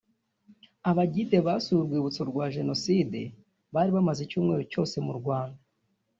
Abagide basuye urwibutso rwa Jenoside bari bamaze icyumweru cyose mu Rwanda